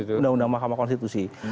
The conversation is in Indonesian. ada dalam undang undang mahkamah konstitusi